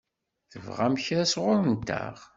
Tebɣamt kra sɣur-nteɣ?